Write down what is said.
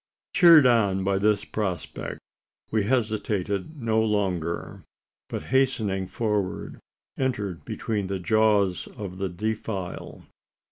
Cheered on by this prospect, we hesitated no longer; but hastening forward, entered between the jaws of the defile.